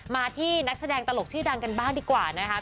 มาที่นักแสดงตลกชื่อดังกันบ้างดีกว่านะคะ